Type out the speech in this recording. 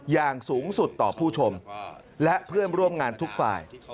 อย่างสูงสุดต่อผู้ชมและเพื่อนร่วมงานทุกฝ่าย